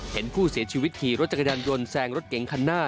เห็นผู้เสียชีวิตขี่รถจักรยานยนต์แซงรถเก๋งคันหน้า